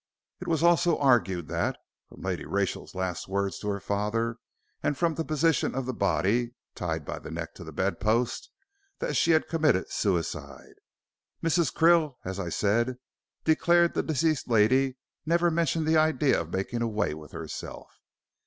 It was also argued that, from Lady Rachel's last words to her father, and from the position of the body tied by the neck to the bedpost that she had committed suicide. Mrs. Krill, as I said, declared the deceased lady never mentioned the idea of making away with herself.